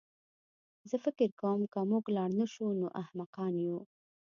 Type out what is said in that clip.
زه فکر کوم که موږ لاړ نه شو نو احمقان یو